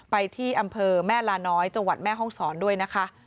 ไปที่อำเภอแม่ลาน้อยจังหวัดแม่ห้องศรด้วยนะคะ